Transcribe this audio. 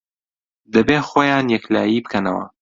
دەبێ خۆیان یەکلایی بکەنەوە